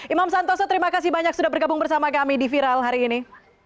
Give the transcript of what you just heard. imam santoso terima kasih banyak sudah bergabung bersama kami di viral hari ini